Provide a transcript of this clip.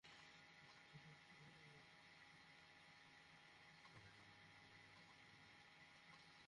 Hosni Dalan থেকে শুরু করে আজিমপুর পর্যন্ত বিভিন্ন ভবনে অবস্থান নেয় পুলিশ।